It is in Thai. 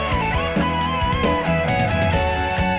ติดกับดักห่านความดี